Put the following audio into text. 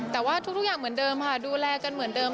แต่ว่าทุกอย่างเหมือนเดิมค่ะดูแลกันเหมือนเดิม